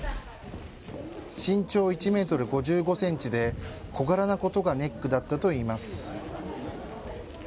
身長１メートル５５センチで小柄なことがネックだったといいます。